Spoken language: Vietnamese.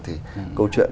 thì câu chuyện